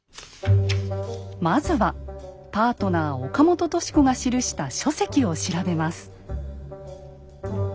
まずはパートナー・岡本敏子が記した書籍を調べます。